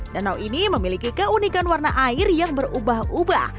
danau ini memiliki keunikan warna air yang berubah ubah